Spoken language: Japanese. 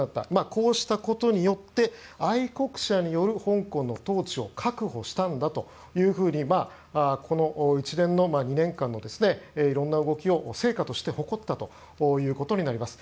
こうしたことによって愛国者による香港の統治を確保したんだというふうにこの一連の、２年間のいろんな動きを成果として誇ったということになります。